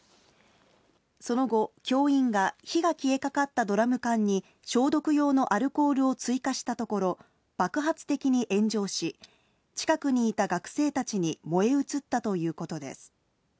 その後、教員が火が消えかかったドラム缶に消毒用のアルコールを追加したところ、爆発的に炎上し、近くにいた学生たちに燃え移ったということです。